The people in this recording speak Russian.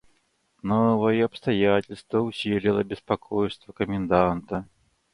Новое обстоятельство усилило беспокойство коменданта.